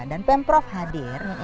dan pemprov hadir